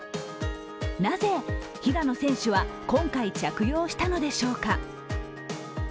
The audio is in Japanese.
なぜ平野選手は今回着用したのでしょうか。